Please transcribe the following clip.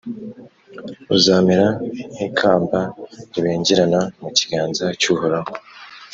uzamera nk’ikamba ribengerana mu kiganza cy’uhoraho,